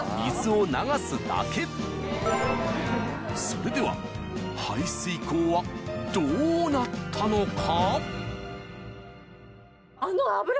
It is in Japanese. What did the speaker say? それでは排水口はどうなったのか？